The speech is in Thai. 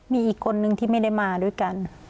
มีอีกคนนึงที่ไม่ได้มาด้วยกัน